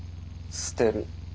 捨てる。